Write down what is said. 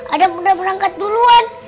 adam udah berangkat duluan